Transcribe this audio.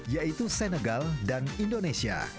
yaitu senegal dan indonesia